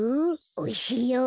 おいしいよ。